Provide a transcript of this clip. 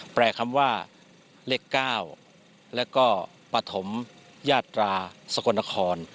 คำว่าเลข๙แล้วก็ปฐมยาตราสกลนคร